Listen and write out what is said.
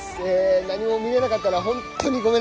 何も見れなかったら本当にごめんなさい。